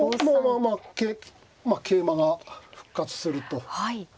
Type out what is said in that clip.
まあまあまあ桂馬が復活すると。